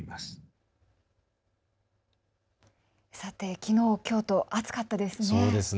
きのう、きょうと暑かったですね。